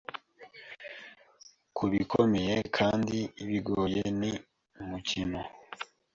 Kubikomeye kandi bigoye ni umukino